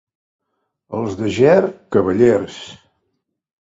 Els de Ger, cavallers.